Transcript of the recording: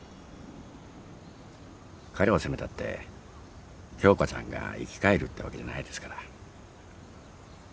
彼を責めたって鏡花ちゃんが生き返るってわけじゃないですから。